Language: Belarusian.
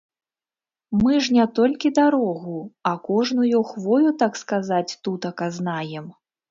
Мы ж не толькі дарогу, а кожную хвою, так сказаць, тутака знаем.